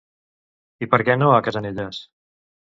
I per què no a Cassanelles?